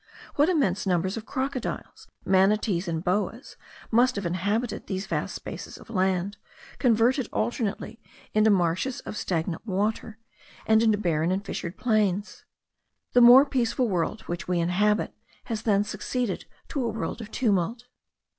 What immense numbers of crocodiles, manatees, and boas must have inhabited these vast spaces of land, converted alternately into marshes of stagnant water, and into barren and fissured plains! The more peaceful world which we inhabit has then succeeded to a world of tumult.